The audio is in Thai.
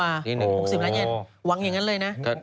ปลาหมึกแท้เต่าทองอร่อยทั้งชนิดเส้นบดเต็มตัว